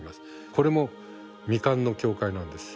これも未完の教会なんです。